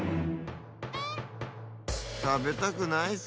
たべたくなイス。